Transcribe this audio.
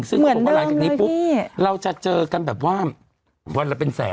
เหมือนเดิมเลยพี่เราจะเจอกันแบบว่าวันละเป็นแสน